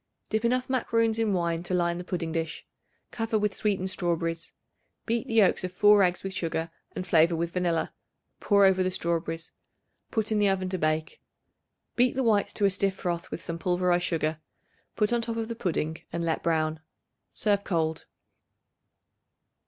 Dip enough macaroons in wine to line the pudding dish; cover with sweetened strawberries. Beat the yolks of 4 eggs with sugar and flavor with vanilla; pour over the strawberries; put in the oven to bake. Beat the whites to a stiff froth with some pulverized sugar; put on top of the pudding and let brown. Serve cold.